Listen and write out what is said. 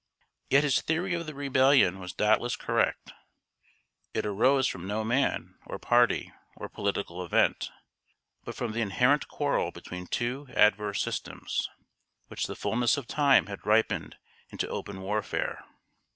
Yet his theory of the Rebellion was doubtless correct. It arose from no man, or party, or political event, but from the inherent quarrel between two adverse systems, which the fullness of time had ripened into open warfare.